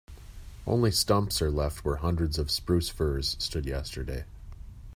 Only stumps are left where hundreds of spruce firs stood yesterday.